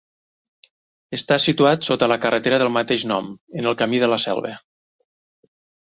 Està situat sota la carretera del mateix nom en el camí de la Selva.